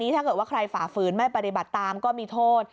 ถ้าเกิดว่าใครฝ่าฝืนไม่ปฏิบัติตามก็มีโทษ